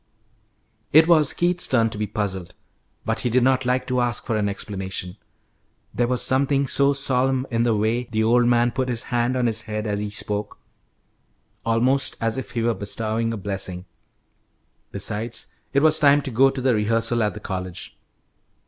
It was Keith's turn to be puzzled, but he did not like to ask for an explanation; there was something so solemn in the way the old man put his hand on his head as he spoke, almost as if he were bestowing a blessing. Besides, it was time to go to the rehearsal at the college.